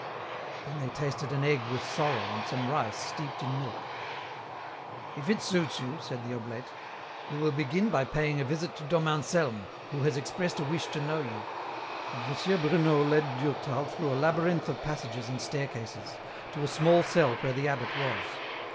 Then they tasted an egg with sorrel and some rice steeped in milk. " If it suits you," said the obkte, " we will begin by paying a visit to Dom Anselm, who has expressed a wish to know you." And M. Bruno led Durtal through a labyrinth of passages and staircases to a small cell where the abbot was.